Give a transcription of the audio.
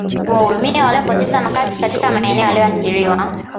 kuwahudumia waliopoteza makazi katika maeneo yaliyoathiriwa